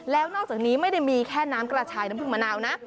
แล้วนอกจากนี้ไม่ได้มีแค่น้ำกระชายน้ำผึ้งมะนาวนะ